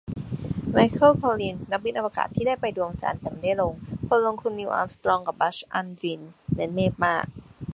ไมเคิล คอลลินส์ นักบินอวกาศที่ได้ไปดวงจันทร์แต่ไม่ได้ลงคนลงคือนีล อาร์มสตรองกับบัซ อัลดรินนั้นเมพมาก